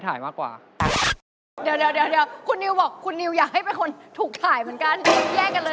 ตัวแย่กันเลยแล้วอ่ะตอนนี้